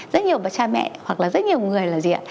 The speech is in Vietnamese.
rất nhiều bà cha mẹ hoặc là rất nhiều người là gì ạ